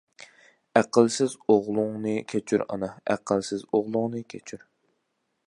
ئەقىلسىز ئوغلۇڭنى كەچۈر ئانا، ئەقىلسىز ئوغلۇڭنى كەچۈر!